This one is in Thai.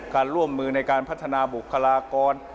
การร่วมมือในการพัฒนาบุคลากร